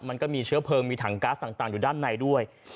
มันก็มีเชื้อเพลิงมีถังก๊าซต่างอยู่ด้านในด้วย